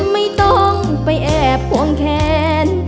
ไม่ต้องไปแอบห่วงแขน